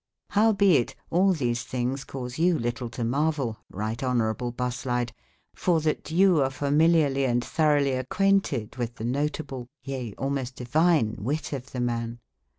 OUIBSXC all these tbinges cause you litletomarvell (righte honour able Buslid) for that you are f ami/ liarlyand througblyacquaintedwitb the notable, yea, almost divine witte of the man.